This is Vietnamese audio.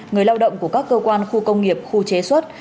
người lao động của các cơ quan khu công nghiệp khu chế xuất